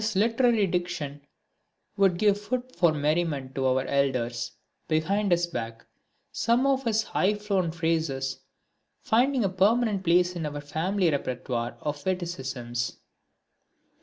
His literary diction would give food for merriment to our elders behind his back, some of his high flown phrases finding a permanent place in our family repertoire of witticisms.